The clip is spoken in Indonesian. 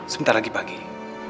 sebentar lagi pak giri